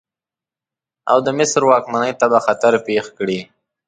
او د مصر واکمنۍ ته به خطر پېښ کړي.